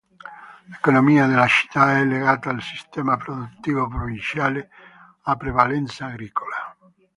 L'economia della città è legata al sistema produttivo provinciale a prevalenza agricola.